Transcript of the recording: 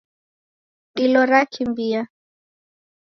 Dilo rakimbia